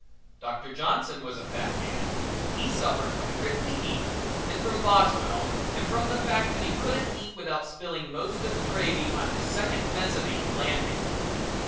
Doctor Johnson was a fat man and he suffered from prickly heat, and from Boswell, and from the fact that he couldn't eat without spilling most of the gravy on his second mezzanine landing.